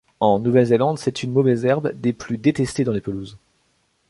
En Nouvelle-Zélande, c'est une mauvaise herbe des plus détestées dans les pelouses.